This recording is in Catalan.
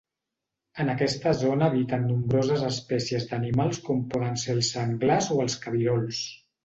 En aquesta zona habiten nombroses espècies d'animals com poden ser els senglars o els cabirols.